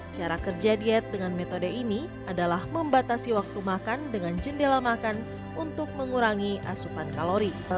cara kerja diet dengan metode ini adalah membatasi waktu makan dengan jendela makan untuk mengurangi asupan kalori